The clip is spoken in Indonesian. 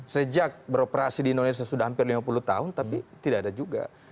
sejak beroperasi di indonesia sudah hampir lima puluh tahun tapi tidak ada juga